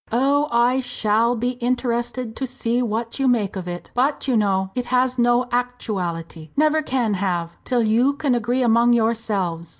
"Oh, I shall be interested to see what you make of it. But, you know, it has no actuality never can have till you can agree among yourselves.